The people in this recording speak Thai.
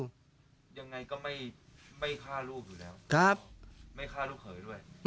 ยังไงก็ไม่ฆ่าลูกอยู่แล้วไม่ฆ่าลูกเขยด้วย